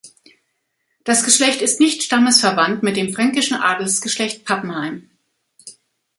Das Geschlecht ist nicht stammesverwandt mit dem fränkischen Adelsgeschlecht Pappenheim.